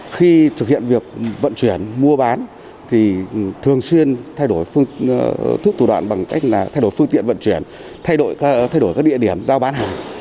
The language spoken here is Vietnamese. khi thực hiện việc vận chuyển mua bán thì thường xuyên thay đổi phương thức thủ đoạn bằng cách thay đổi phương tiện vận chuyển thay đổi các địa điểm giao bán hàng